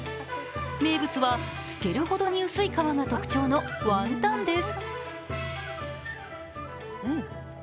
名物は透けるほどに薄い皮が特徴のワンタンです。